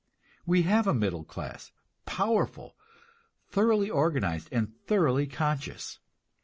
We have a middle class, powerful, thoroughly organized, and thoroughly conscious.